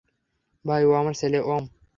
ভাই, ও আমার ছেলে ওম।